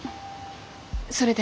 それで？